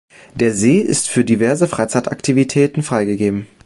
Der See ist für diverse Freizeitaktivitäten freigegeben.